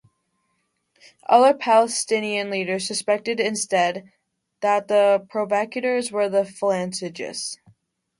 Other Palestinian leaders suspected instead that the provocateurs were the Phalangists.